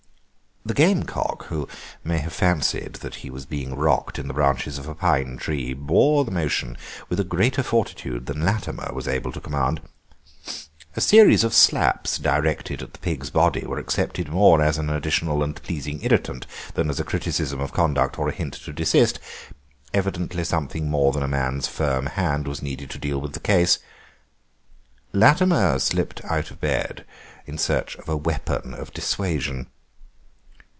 The gamecock, who may have fancied that he was being rocked in the branches of a pine tree, bore the motion with greater fortitude than Latimer was able to command. A series of slaps directed at the pig's body were accepted more as an additional and pleasing irritant than as a criticism of conduct or a hint to desist; evidently something more than a man's firm hand was needed to deal with the case. Latimer slipped out of bed in search of a weapon of dissuasion.